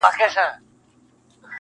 • له یوه اړخه پر بل را اوښتله -